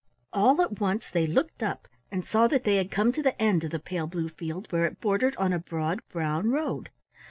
All at once they looked up and saw that they had come to the end of the pale blue field where it bordered on a broad brown road.